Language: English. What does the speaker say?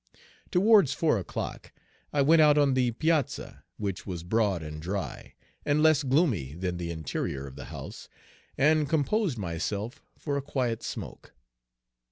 Towards four o'clock I went out on the piazza, which was broad and dry, and less gloomy than the interior of the Page 163 house, and composed myself for a quiet smoke.